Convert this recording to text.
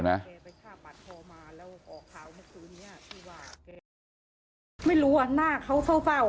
แกไปฆ่าปัดคอมาแล้วออกข่าวเมื่อคืนนี้ที่ว่าแกไม่รู้ว่าหน้าเขาเศร้า